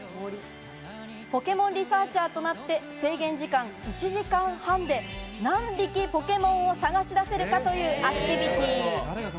ポケモンリサーチャーとなって、制限時間１時間半で何匹ポケモンを探し出せるかというアクティビティー。